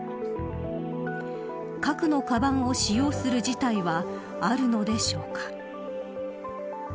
核のカバンを使用する事態はあるのでしょうか。